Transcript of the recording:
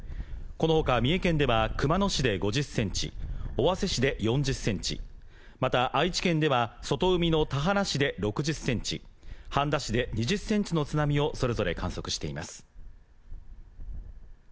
このほか三重県では、熊野市で５０センチ、尾鷲市で４０センチ、また愛知県では、外海の田原市で６０センチ、半田市で２０センチの津波をそれぞれ観測しています。